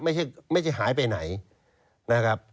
ไม่ใช่หายไปไหนนะครับ